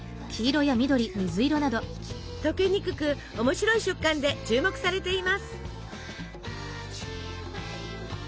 溶けにくく面白い食感で注目されています。